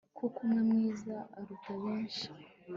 kuko umwe mwiza aruta benshi